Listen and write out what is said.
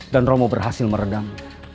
dan romo berhasil meredam